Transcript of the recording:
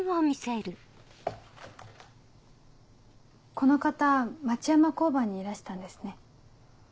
この方町山交番にいらしたんですね。